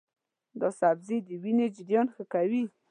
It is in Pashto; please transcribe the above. دا سبزی د وینې جریان ښه کوي.